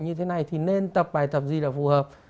như thế này thì nên tập bài tập gì là phù hợp